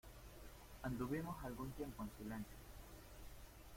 anduvimos algún tiempo en silencio: